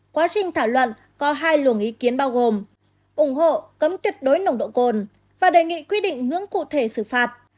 quá trình thảo luận có hai luồng ý kiến bao gồm ủng hộ cấm tuyệt đối nồng độ cồn và đề nghị quy định ngưỡng cụ thể xử phạt